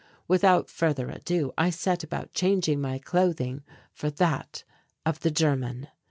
Without further ado, I set about changing my clothing for that of the German.